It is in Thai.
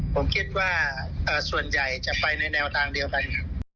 ผมคิดว่าส่วนใหญ่จะไปในแนวทางเดียวกัน